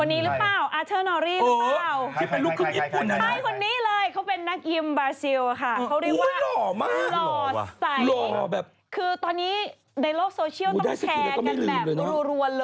คนนี้หรือเปล่าอะเตอร์โนรี่หรือเปล่า